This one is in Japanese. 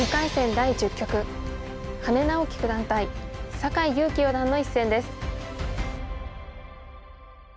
第１０局羽根直樹九段対酒井佑規四段の一戦です。